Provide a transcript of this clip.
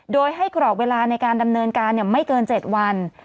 โดยให้กรอบเวลาในการดำเนินการไม่เกิน๗วัน